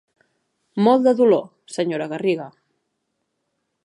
Molt de dolor, senyora Garriga.